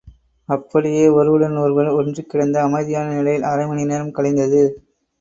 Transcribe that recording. அப்படியே ஒருவருடன் ஒருவர் ஒன்றிக்கிடந்த அமைதியான நிலையில் அரைமணி நேரம் கழிந்தது.